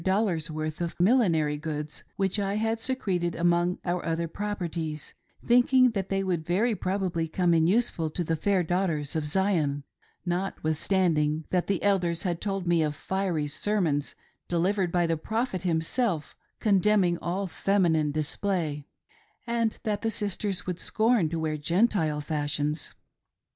dollars' worth of millinery goods, which I had secreted among our other properties, thinking that they would very probably come in useful to the fair daughters of Zion — notwithstand ing that the Elders had told me of fiery sermons delivered by the Prophet himself condemning all feminine display, and that the sisters would scorn to wear Gentile fashions.